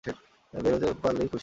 বেঁচে বের হতে পারলেই আমি খুশি।